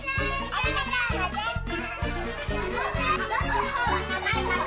ありがとうございます。